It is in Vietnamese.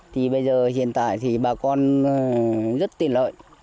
thì bây giờ hiện tại thì bà con rất tiện lợi